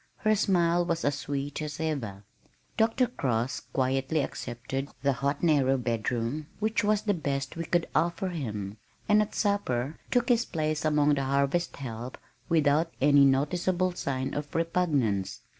Her smile was as sweet as ever. Dr. Cross quietly accepted the hot narrow bedroom which was the best we could offer him, and at supper took his place among the harvest help without any noticeable sign of repugnance.